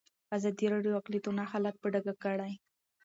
ازادي راډیو د اقلیتونه حالت په ډاګه کړی.